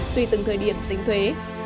tuy từng thời điểm tính thuế